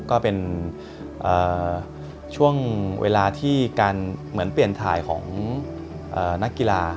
ก็เป็นช่วงเวลาที่การเหมือนเปลี่ยนถ่ายของนักกีฬา